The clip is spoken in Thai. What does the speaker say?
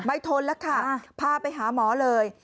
ทนแล้วค่ะพาไปหาหมอเลย